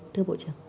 thưa bộ trưởng